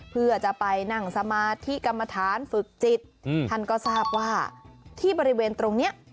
เพื่อจะไปนั่งสมาธิกรรมฐานฝึกจิตท่านก็ทราบว่าที่บริเวณตรงเนี้ย